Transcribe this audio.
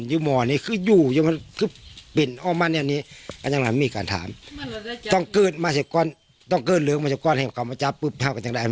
ที่นี้ค่ะแนวทางในการสืบสวนคลี่คลายคดีน้องชมพู่เนี่ยนะคะ